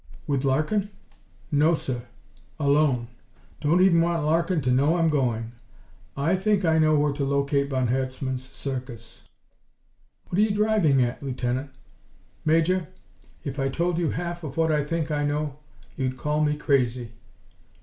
"With Larkin?" "No, sir. Alone. Don't even want Larkin to know I'm going. I think I know where to locate von Herzmann's Circus." "What are you driving at, Lieutenant?" "Major, if I told you half of what I think I know, you'd call me crazy."